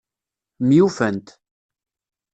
Myufant.